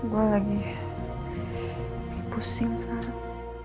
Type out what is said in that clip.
gue lagi pusing sekarang